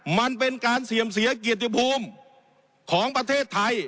มันเป็นการเสื่อมเสียเกียรติภูมิของประเทศไทย